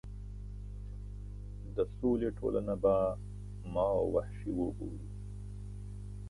د سولې ټولنه به ما وحشي وبولي.